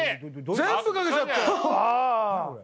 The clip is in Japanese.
全部かけちゃったよ。